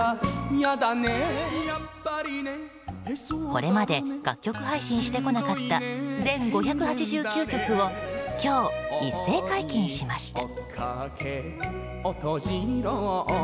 これまで楽曲配信してこなかった全５８９曲を今日、一斉解禁しました。